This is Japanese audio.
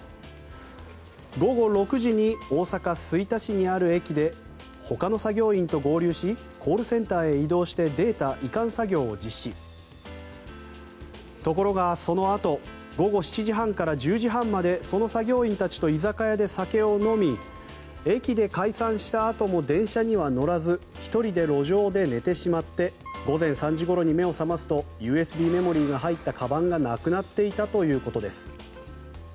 午後６時に大阪・吹田市にある駅でほかの作業員と合流しコールセンターへ移動してデータ移管作業を実施ところがそのあと午後７時半から１０時半までその作業員たちと居酒屋で酒を飲み駅で解散したあとも電車には乗らず１人で路上で寝てしまって午前３時ごろに目を覚ますとＵＳＢメモリーが入ったかばんがなくなっていたということです。